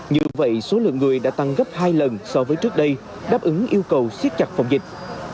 như vậy số lượng người đã tăng gấp hai lần so với trước đây đáp ứng yêu cầu siết chặt phòng dịch